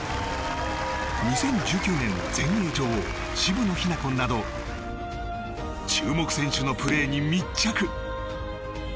２０１９年の全英女王渋野日向子など注目選手のプレーに密着。